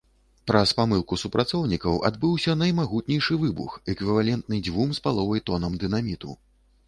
Праз памылку супрацоўнікаў адбыўся наймагутнейшы выбух, эквівалентны дзвюм з паловай тонам дынаміту.